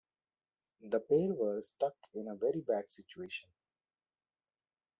The pair were stuck in a very bad situation.